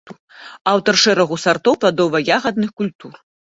Аўтар шэрагу сартоў пладова-ягадных культур.